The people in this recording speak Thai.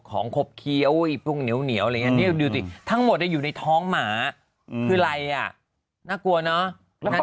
ของขบเคี้ยวพรุ่งเหนียวเลยทั้งหมดอยู่ในท้องหมาที่ไรอ่ะน่ากลัวเนาะ